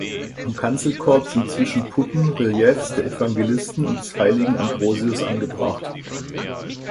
Am Kanzelkorb sind zwischen Putten Reliefs der Evangelisten und des heiligen Ambrosius angebracht.